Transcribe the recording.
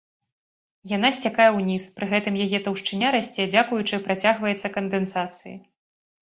Яна сцякае ўніз, пры гэтым яе таўшчыня расце дзякуючы працягваецца кандэнсацыі.